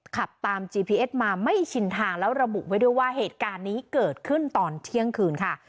ขับตามจีพีเอสมาไม่ชินทางแล้วระบุไว้ด้วยว่าเหตุการณ์นี้เกิดขึ้นตอนเที่ยงคืนค่ะ